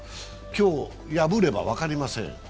今日破れば分かりません。